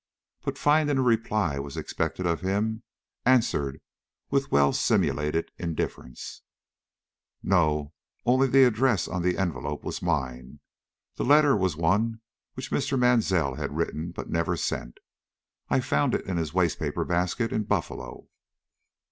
But finding a reply was expected of him, answered with well simulated indifference: "No, only the address on the envelope was mine; the letter was one which Mr. Mansell had written but never sent. I found it in his waste paper basket in Buffalo."